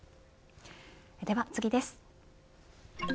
では次です。